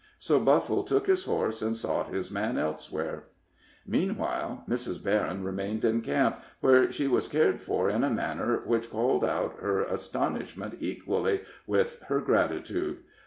So Buffle took his horse, and sought his man elsewhere. Meanwhile, Mrs. Berryn remained in camp, where she was cared for in a manner which called out her astonishment equally with her gratitude.